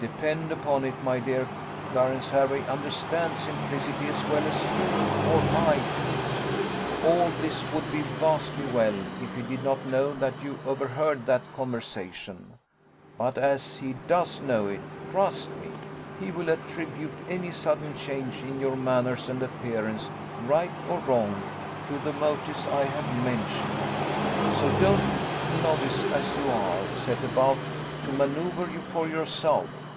Depend upon it, my dear, Clarence Hervey understands simplicity as well as you or I do. All this would be vastly well, if he did not know that you overheard that conversation; but as he does know it, trust me, he will attribute any sudden change in your manners and appearance, right or wrong, to the motives I have mentioned. So don't, novice as you are! set about to manoeuvre for yourself.